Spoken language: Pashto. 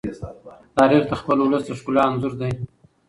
تاریخ د خپل ولس د ښکلا انځور دی.